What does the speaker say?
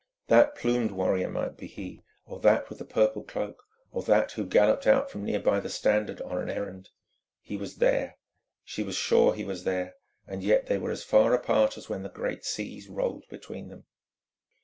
That plumed warrior might be he, or that with the purple cloak, or that who galloped out from near by the Standard on an errand. He was there; she was sure he was there, and yet they were as far apart as when the great sea rolled between them.